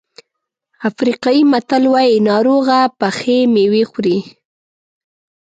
افریقایي متل وایي ناروغه پخې مېوې خوري.